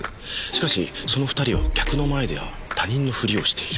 しかしその２人は客の前では他人のふりをしている。